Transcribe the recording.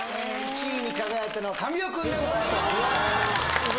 １位に輝いたのは神尾くんでございます